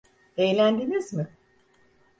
Eğlendiniz mi?